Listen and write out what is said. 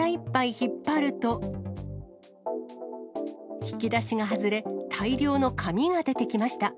引き出しが外れ、大量の紙が出てきました。